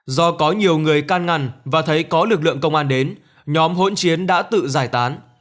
do có nhiều người can ngăn và thấy có lực lượng công an đến nhóm hỗn chiến đã tự giải tán